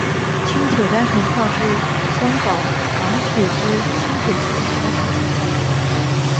轻铁单程票是香港港铁之轻铁系统的单程车票。